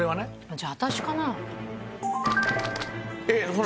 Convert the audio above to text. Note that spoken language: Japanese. じゃあ私かな？